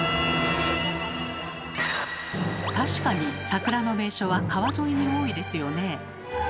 確かに桜の名所は川沿いに多いですよね。